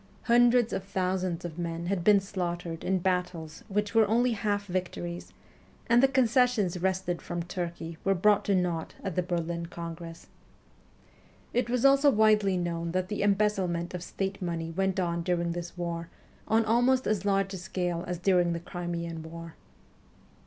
Hundreds of thousands of men had been slaughtered in battles which were only hah* victories, and the concessions wrested from Turkey were brought to naught at the Berlin Congress. It was also WESTERN EUROPE 223 widely known that the embezzlement of State money went on during this war on almost as large a scale as during the Crimean war.